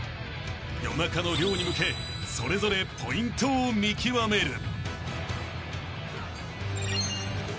［夜中の漁に向けそれぞれポイントを見極める］